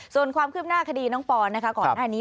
ส่วนความคืบหน้าคดีน้องปอนนะคะก่อนหน้านี้